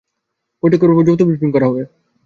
বৈঠকের পর যৌথ ব্রিফিং করা হবে।